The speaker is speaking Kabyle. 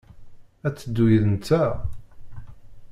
Ad d-teddu yid-nteɣ?